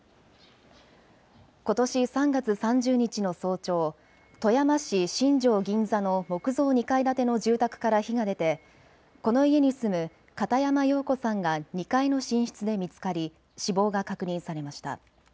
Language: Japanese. ことし３月３０日の早朝、富山市新庄銀座の木造２階建ての住宅から火が出てこの家に住む片山洋子さんが２階の寝室で見つかり死亡が確認されました。